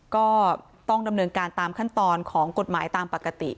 ก็ต้องดำเนินการตามขั้นตอนของกฎหมายตามปกติ